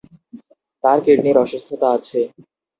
তার কিডনির অসুস্থতা আছে।